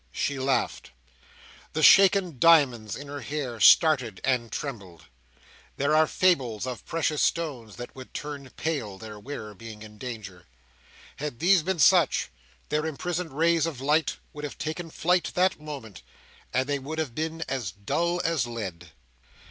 She laughed. The shaken diamonds in her hair started and trembled. There are fables of precious stones that would turn pale, their wearer being in danger. Had these been such, their imprisoned rays of light would have taken flight that moment, and they would have been as dull as lead.